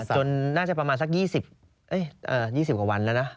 น่าจะประมาณสัก๒๐กว่าวันแล้วนะ